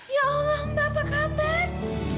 ya allah mbak apa kabar